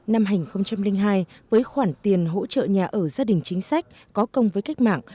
năm hành một trăm linh hai với khoản tiền hỗ trợ nhà ở gia đình chính sách có công với cách mạng